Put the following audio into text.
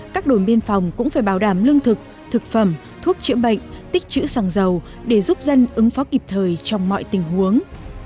các đồn biên phòng cũng phải bảo đảm lương thực thực phẩm thuốc chữa bệnh tích chữ xăng dầu để giúp dân ứng phó kịp thời trong mọi tình huống